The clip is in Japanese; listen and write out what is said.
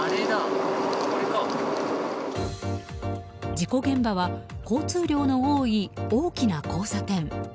事故現場は交通量の多い大きな交差点。